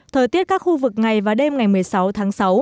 thời tiết các khu vực ngày và đêm ngày một mươi sáu tháng sáu